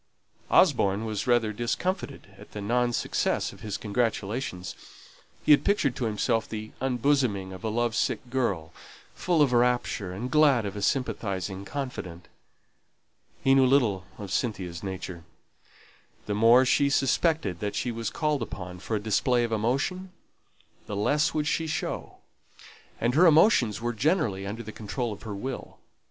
Osborne was rather discomfited at the non success of his congratulations; he had pictured to himself the unbosoming of a love sick girl, full of rapture, and glad of a sympathizing confidant. He little knew Cynthia's nature. The more she suspected that she was called upon for a display of emotion, the less would she show; and her emotions were generally under the control of her will.